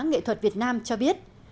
kỹ thuật việt nam cho biết